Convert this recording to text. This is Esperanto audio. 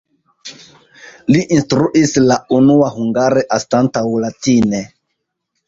Li instruis la unua hungare anstataŭ latine.